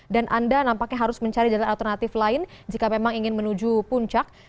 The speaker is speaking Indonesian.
dan anda nampaknya harus mencari jalan alternatif lain jika memang ingin menuju puncak